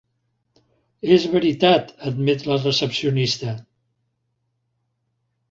És veritat —admet la recepcionista—.